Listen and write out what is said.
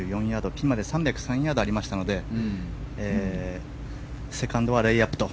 ピンまで３０３ヤードありましたのでセカンドはレイアップ。